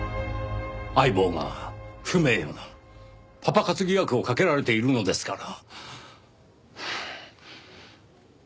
相棒が不名誉なパパ活疑惑をかけられているのですから。